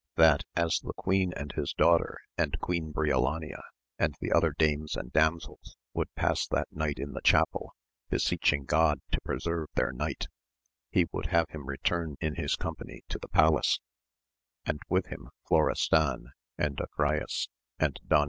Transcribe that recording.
That as the queen and his daughter, and Queen Briolania and the other dames and damsels would pass that night in the chapel, beseeching God to preserve their knight, he would have him return in his company to the palace, and with hun Florestan and Agi ayes, and Don